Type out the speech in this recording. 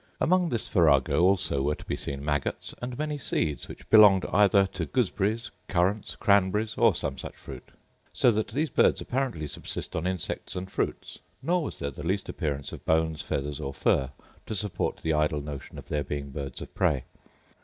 Among this farrago also were to be seen maggots, and many seeds, which belonged either to gooseberries, currants, cranberries, or some such fruit; so that these birds apparently subsist on insects and fruits: nor was there the least appearance of bones, feathers, or fur to support the idle notion of their being birds of prey.